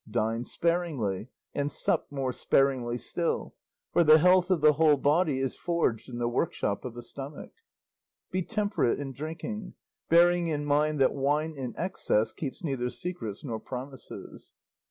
"Dine sparingly and sup more sparingly still; for the health of the whole body is forged in the workshop of the stomach. "Be temperate in drinking, bearing in mind that wine in excess keeps neither secrets nor promises.